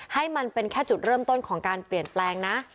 ให้มันเป็นแค่จุดเริ่มต้นของการเปลี่ยนแปลงนะ